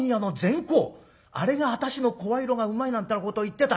あれが私の声色がうまいなんてなことを言ってたよ。